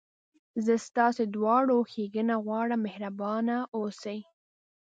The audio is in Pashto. زه ستاسي دواړو ښېګڼه غواړم، مهربانه اوسئ.